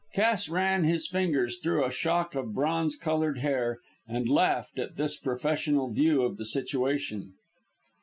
Cass ran his fingers through a shock of bronze coloured hair, and laughed at this professional view of the situation.